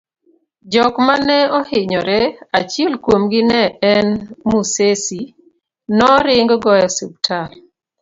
jok mane ohinyore, achiel kuomgi ne en Musesi, noring go e ospital